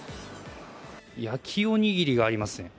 焼おにぎりがありますね。